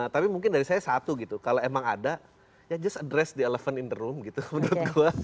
tapi mungkin dari saya satu gitu kalau emang ada ya just address the eleven in the room gitu menurut gue